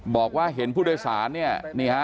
บอกว่าเห็นผู้โดยสารนี่ครับ